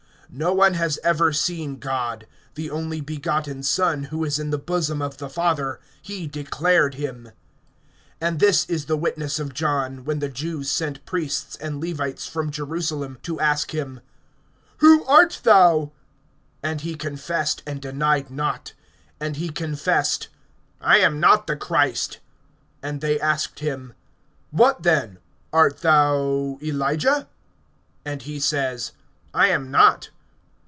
(18)No one has ever seen God; the only begotten Son, who is in the bosom of the Father, he declared him. (19)And this is the witness of John, when the Jews sent priests and Levites from Jerusalem to ask him: Who art thou? (20)And he confessed, and denied not; and he confessed: I am not the Christ. (21)And they asked him: What then? Art thou Elijah? And he says: I am not.